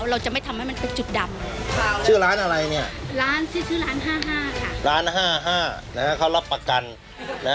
ร้าน๕๕เขารับประกัน